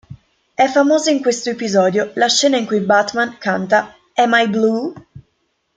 È famosa in questo episodio la scena in cui Batman canta "Am'I Blue?